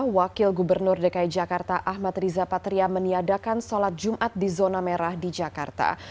wakil gubernur dki jakarta ahmad riza patria meniadakan sholat jumat di zona merah di jakarta